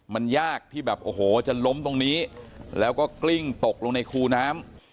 มันยากที่แบบโอ้โหจะล้มตรงนี้แล้วก็กลิ้งตกลงในคูน้ำ